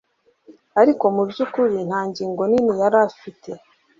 ariko mubyukuri nta ngingo nini yari ifite